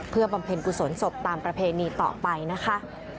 เพื่อบำเพ็ญกุศลศพตามประเพณีต่อไปนะคะ